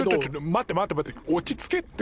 待て待て待て落ち着けって！